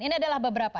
ini adalah beberapa